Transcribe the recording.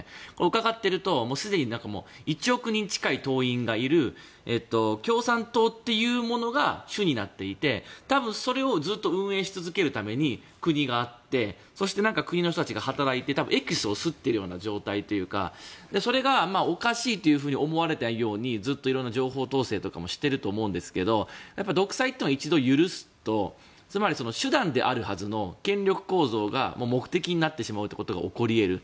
伺っているとすでに１億人近い党員がいる共産党というものが主になっていて多分それをずっと運営し続けるために国があってそして国の人たちが働いてエキスを吸っている状態というかそれがおかしいというふうに思われないようにずっと色んな情報統制とかしていると思うんですけど独裁というのは一度許すとつまり手段であるはずの権力構造が目的になってしまうということが起こり得る。